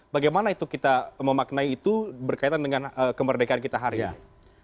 bagaimana itu kita memaknai itu berkaitan dengan kemerdekaan kita hari ini